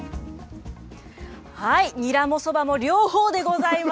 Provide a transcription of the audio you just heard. ニラもそばも両方でございます。